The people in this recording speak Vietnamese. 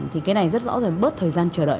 thì cái này rất rõ rồi bớt thời gian chờ đợi